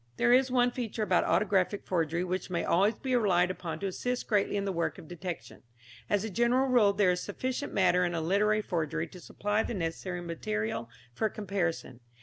There is one feature about autographic forgery which may always be relied upon to assist greatly in the work of detection. As a general rule there is sufficient matter in a literary forgery to supply the necessary material for comparison.